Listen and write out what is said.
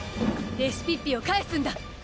レシピッピを返すんだ！